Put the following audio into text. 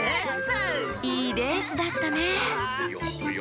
いいレースだったねいやはや。